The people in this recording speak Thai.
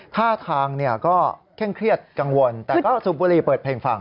ท่าทางก็เคร่งเครียดกังวลแต่ก็สูบบุรีเปิดเพลงฟัง